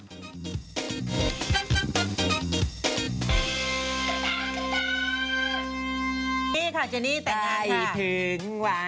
นี่คะเจนนี่ตัยนั้นค่ะ